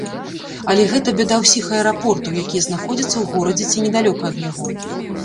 Але гэта бяда ўсіх аэрапортаў, якія знаходзяцца ў горадзе ці недалёка ад яго.